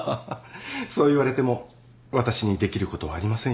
そう言われても私にできることはありませんよ。